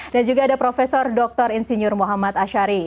dan juga ada prof dr insinyur muhammad asyik